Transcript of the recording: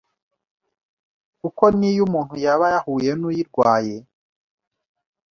kuko n’iyo umuntu yaba yahuye n’uyirwaye